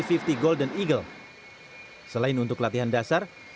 selain untuk latihan dasar pesawat ini juga memiliki penerbangan yang berbeda